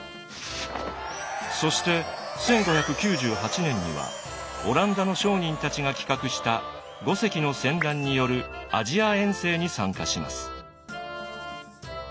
そして１５９８年にはオランダの商人たちが企画した５隻の船団によるアジア遠征に参加します。